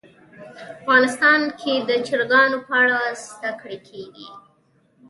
افغانستان کې د چرګانو په اړه زده کړه کېږي.